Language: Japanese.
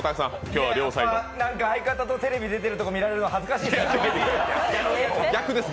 相方とテレビ出てるとこ見られるの恥ずかしいです。